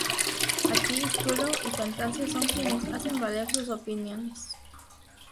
Aquí, Spirou y Fantasio son quienes hacen valer sus opiniones.